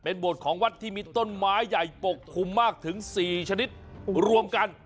เป็นบวชของวัดที่มีต้นไม้ใหญ่ปกควมมากถึงสี่ชนิดรวมกัน